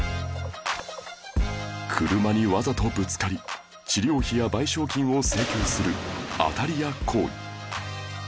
車にわざとぶつかり治療費や賠償金を請求する当たり屋行為